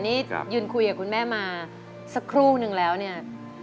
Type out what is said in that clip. นี่ยืนคุยกับคุณแม่มาสักครู่นึงแล้วเนี่ย